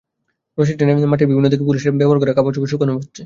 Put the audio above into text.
রশি টেনে মাঠের বিভিন্ন দিকে পুলিশের ব্যবহার করা কাপড়চোপড় শুকানো হচ্ছে।